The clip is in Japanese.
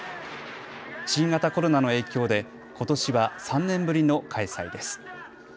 新型コロナの影響でことしは３年ぶりの開催です。